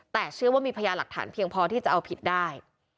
แต่เชื่อว่ามีพยาหลักฐานเพียงพอที่จะเอาผิดได้